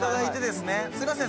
すいません